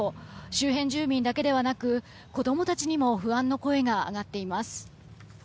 周辺住民だけではなく子供たちにも不安の声が上がっています。